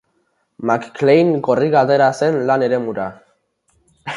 McClane korrika atera zen lan-eremura.